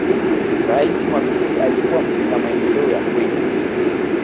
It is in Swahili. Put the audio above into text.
raisi magufuli alikuwa mpenda maendeleo ya kweli